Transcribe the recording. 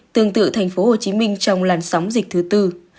tương tự thành phố hồ chí minh trong làn sóng dịch thứ tư